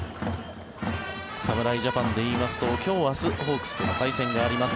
侍ジャパンでいいますと今日、明日ホークスとの対戦があります。